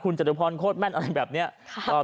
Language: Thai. คุณจัดตั้งรัฐบาลโคตรแม่นอะไรแบบนี้ครับ